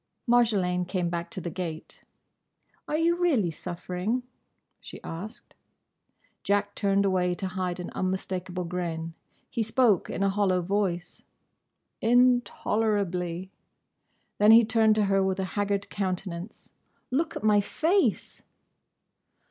Marjolaine came back to the gate. "Are you really suffering?" she asked. Jack turned away to hide an unmistakable grin. He spoke in a hollow voice. "Intolerably." Then he turned to her with a haggard countenance. "Look at my face!"